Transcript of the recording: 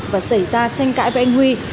và xảy ra tranh cãi với anh huy